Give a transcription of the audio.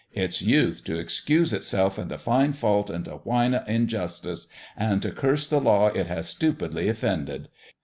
It's youth to excuse itself, an' t' find fault, an' t' whine of injustice, an' t' curse the law it has stupidly offended.